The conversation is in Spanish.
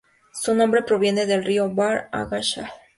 Su nombre proviene del río Bahr el Ghazal.